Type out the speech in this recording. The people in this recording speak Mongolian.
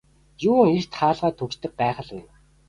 Юун эрт хаалгаа түгждэг гайхал вэ.